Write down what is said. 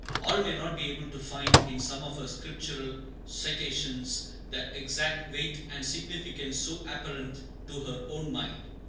All may not be able to find in some of her Scriptural citations the exact weight and significance so apparent to her own mind.